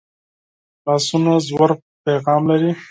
لاسونه ژور پیغام لري